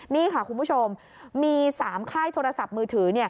นี่ค่ะคุณผู้ชมมี๓ค่ายโทรศัพท์มือถือ